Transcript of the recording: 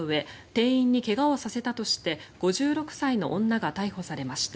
店員に怪我をさせたとして５６歳の女が逮捕されました。